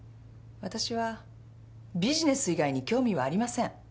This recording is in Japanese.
わたしはビジネス以外に興味はありません。